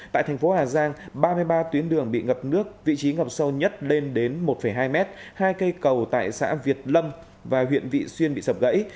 tại thành phố hà giang ba mươi ba tuyến đường bị ngập nước vị trí ngập sâu nhất lên đến một hai m hai hai cây cầu tại xã việt lâm và huyện vị xuyên bị sập gãy